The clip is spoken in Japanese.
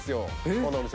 このお店。